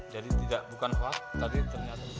jadi bukan waktu tapi ternyata